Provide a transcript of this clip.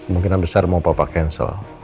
mungkin yang besar mau papa cancel